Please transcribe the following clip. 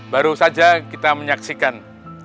baru saja kita menyaksikan